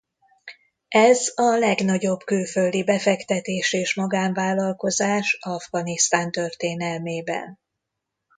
Ez a legnagyobb külföldi befektetés és magánvállalkozás Afganisztán történelmében.